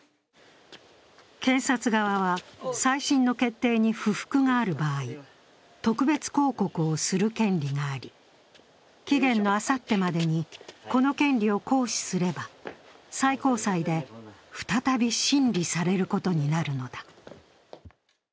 検察側は再審の決定に不服がある場合、特別抗告をする権利があり、期限のあさってまでにこの権利を行使すれば、最高裁で再び審理されることになるのだ。